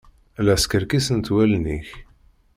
La skerkisent wallen-ik.